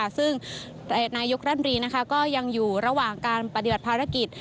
ซึ่งนายกรัฐมนตรีก็ยังอยู่ระหว่างการปฏิบัติภารกิจ